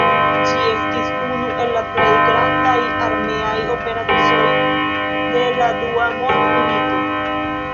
Ĝi estis unu el la plej grandaj armeaj operacoj de la Dua mondmilito.